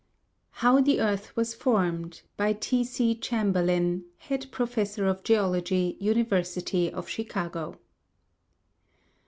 HOW THE EARTH WAS FORMED. T. C. CHAMBERLIN, Head Professor of Geology, University of Chicago.